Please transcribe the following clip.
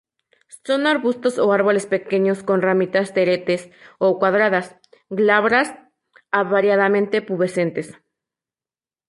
Son arbustos o árboles pequeños, con ramitas teretes o cuadradas, glabras a variadamente pubescentes.